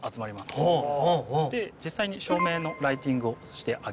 実際に照明のライティングをしてあげます。